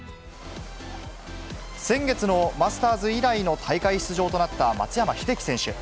先月のマスターズ以来の大会出場となった松山英樹選手。